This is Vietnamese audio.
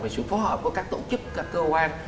về sự phó hợp của các tổ chức các cơ quan